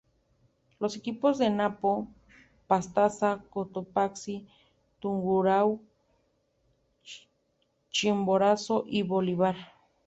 Los equipos de Napo, Pastaza, Cotopaxi, Tungurahua, Chimborazo y Bolívar.